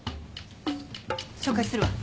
紹介するわ。